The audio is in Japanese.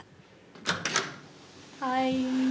はい。